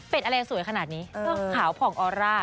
เป็นอะไรสวยขนาดนี้ขาวผ่องออร่า